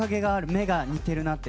目が似てるなって。